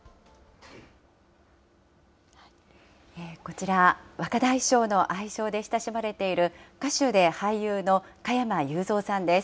こちら、若大将の愛称で親しまれている歌手で俳優の加山雄三さんです。